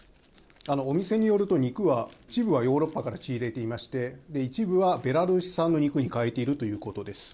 あの、お店によると肉は一部はヨーロッパから仕入れていまして一部はベラルーシ産の肉に変えているということです。